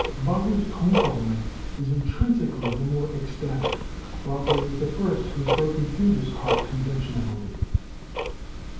Wagner's tone coloring is intrinsically the more ecstatic.... Wagner is the first who has broken through this harp conventionality."